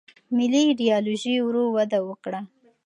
ملي ایدیالوژي ورو وده وکړه.